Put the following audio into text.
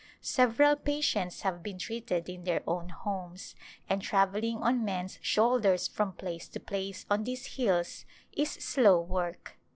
Several patients have been treated in their own homes, and travelling on men's shoulders from place to place on these hills is slow work.